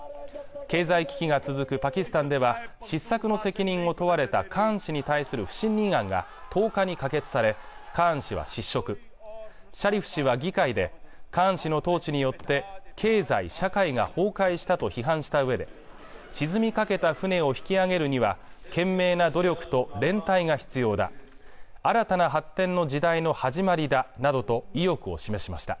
経済危機が続くパキスタンでは失策の責任を問われたカーン氏に対する不信任案が１０日に可決されカーン氏は失職シャリフ氏は議会でカーン氏の統治によって経済・社会が崩壊したと批判したうえで沈みかけた船を引き揚げるには懸命な努力と連帯が必要だ新たな発展の時代の始まりだなどと意欲を示しました